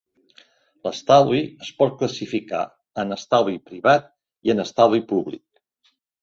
L'estalvi es pot classificar en estalvi privat i en estalvi públic.